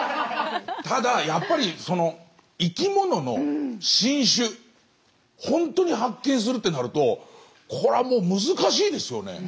ただやっぱりその生きものの新種ホントに発見するとなるとこれはもう難しいですよね。